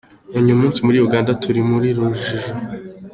"Uyu munsi muri Uganda turi mu rujijo.